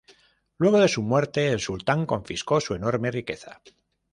Luego de su muerte, el sultán confiscó su enorme riqueza.